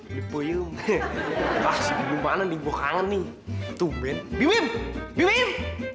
nih tuh men men men